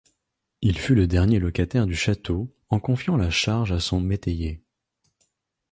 Il fut le dernier locataire du château, en confiant la charge à son métayer.